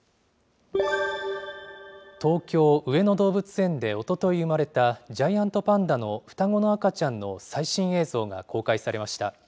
東京・上野動物園でおととい産まれたジャイアントパンダの双子の赤ちゃんの最新映像が公開されました。